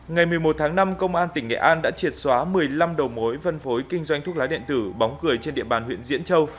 ngày một mươi một tháng năm công an tỉnh nghệ an đã triệt xóa một mươi năm đầu mối phân phối kinh doanh thuốc lá điện tử bóng cười trên địa bàn huyện diễn châu